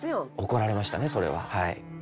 怒られましたねそれは。